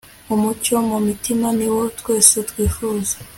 umucyo mu mutima niwo twese twifuza